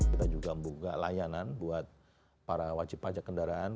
kita juga membuka layanan buat para wajib pajak kendaraan